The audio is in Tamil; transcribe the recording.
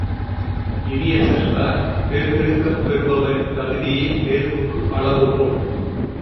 இனிய செல்வ, தேர்ந்தெடுக்கப் பெறுபவரின் தகுதியே தேர்வுக்கு அளவுகோல்.